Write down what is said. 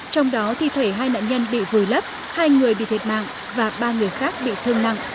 trong đó thi thể hai nạn nhân bị vùi lấp hai người bị thiệt mạng và ba người khác bị thương nặng